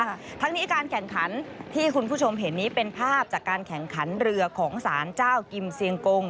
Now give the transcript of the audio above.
ทั้งนี้การแข่งขันที่คุณผู้ชมเห็นนี้เป็นภาพจากการแข่งขันเรือของสารเจ้ากิมเซียงกง